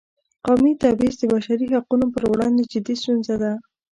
قومي تبعیض د بشري حقونو پر وړاندې جدي ستونزه ده.